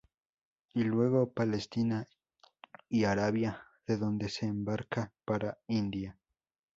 Y luego Palestina y Arabia, de donde se embarca para India.